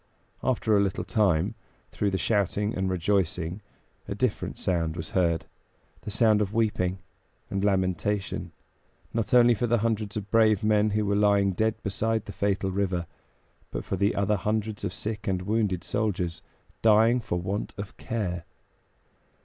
After a little time, through the shouting and rejoicing a different sound was heard; the sound of weeping and lamentation, not only for the hundreds of brave men who were lying dead beside the fatal river, but for the other hundreds of sick and wounded soldiers, dying for want of care.